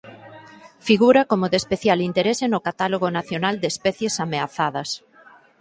Figura como de "especial interese" no Catálogo Nacional de Especies Ameazadas.